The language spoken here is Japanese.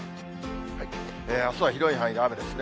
あすは広い範囲で雨ですね。